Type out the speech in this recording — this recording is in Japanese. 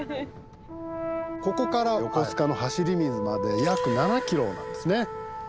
ここから横須賀の走水まで約７ｋｍなんですね。